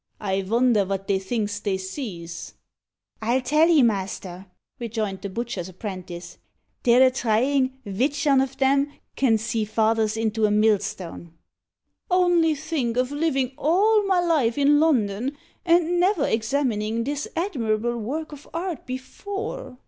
I vonder vat they thinks they sees?" "I'll tell 'ee, master," rejoined the butcher's apprentice; "they're a tryin' vich on 'em can see farthest into a millstone." [Illustration: Antiquaries.] "Only think of living all my life in London, and never examining this admirable work of art before!"